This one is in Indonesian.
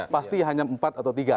pasti hanya empat atau tiga